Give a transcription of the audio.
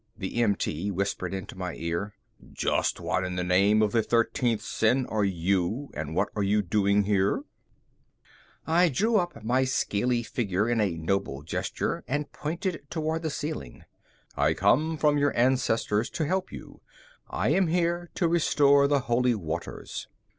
The MT whispered into my ear, "Just what in the name of the thirteenth sin are you and what are you doing here?" I drew up my scaly figure in a noble gesture and pointed toward the ceiling. "I come from your ancestors to help you. I am here to restore the Holy Waters."